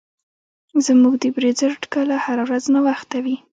زموږ د بریځر ټکله هره ورځ ناوخته وي.